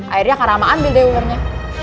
akhirnya kak rama ambil deh ulernya